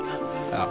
ああ。